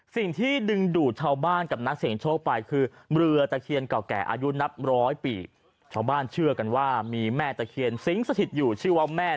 สิ่งที่ดึงดูดชาวบ้านกับนักเสียงโชคไปคือ